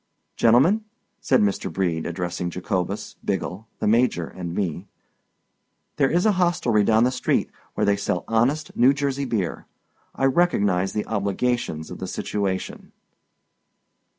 "Gentlemen," said Mr. Brede, addressing Jacobus, Biggle, the Major and me, "there is a hostelry down the street where they sell honest New Jersey beer. I recognize the obligations of the situation."